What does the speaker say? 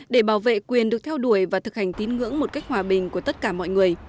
để bảo vệ quyền được theo đuổi và thực hành tín ngưỡng một cách hòa bình của tất cả mọi người